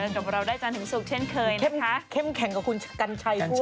เจอกับเราได้จันทร์สุขเช่นเคยนะคะเค็มแข็งกับคุณกัญชัยพูดนะฮะ